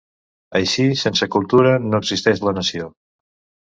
Així, sense cultura no existeix la nació.